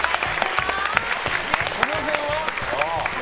小室さんは？